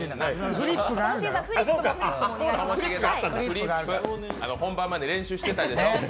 フリップ、本番前に練習してたでしょう。